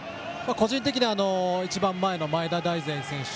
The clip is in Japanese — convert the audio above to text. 個人的には一番前の前田大然選手。